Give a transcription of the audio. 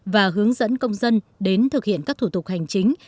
và hướng dẫn công dân đến thực hiện các thủ tục hành chính